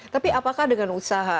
tapi apakah dengan usaha